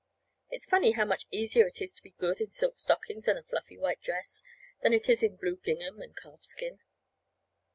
It's funny how much easier it is to be good in silk stockings and a fluffy white dress than it is in blue gingham and calfskin.